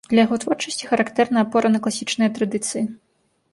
Для яго творчасці характэрна апора на класічныя традыцыі.